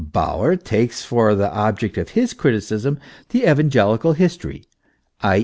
Bauer takes for the object of his criticism the evangelical his tory, i.